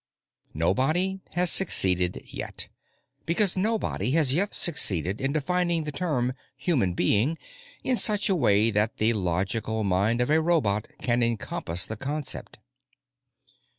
_ Nobody has succeeded yet, because nobody has yet succeeded in defining the term "human being" in such a way that the logical mind of a robot can encompass the concept.